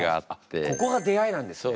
ここが出逢いなんですね。